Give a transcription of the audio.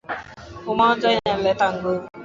Umoja unaleta nguvu